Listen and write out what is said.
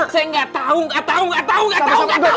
saya nggak tahu nggak tahu nggak tahu nggak tahu nggak tahu nggak tahu